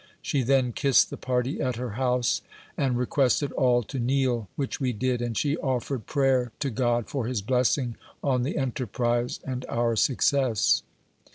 " She then kissed the party at her house, and requested all to kneel, which we did, and she offered prayer to God for His blessing on the enterprise, and our success.